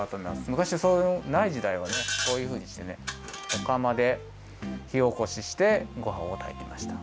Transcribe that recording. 昔はそうないじだいはねこういうふうにしてねおかまでひおこししてごはんをたいていました。